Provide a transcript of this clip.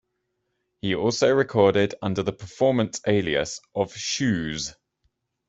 He also recorded under the performance alias of "Shooz".